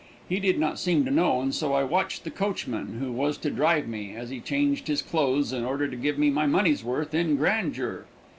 He did not seem to know, and so I watched the coachman who was to drive me, as he changed his clothes in order to give me my money's worth in grandeur.